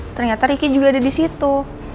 ternyata riki juga ada disitu